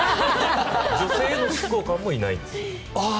女性の執行官もいないです。